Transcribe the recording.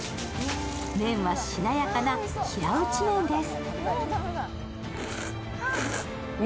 麺は、しなやかな平打ちなんです。